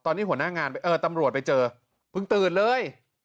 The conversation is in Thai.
ตอนนี้หัวหน้างานไปเออตำรวจไปเจอเพิ่งตื่นเลย